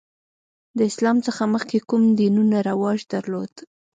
د اسلام څخه مخکې کوم دینونه رواج درلود؟